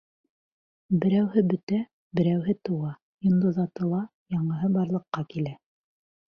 Берәүһе бөтә, берәүһе тыуа, йондоҙ атыла, яңыһы барлыҡҡа килә...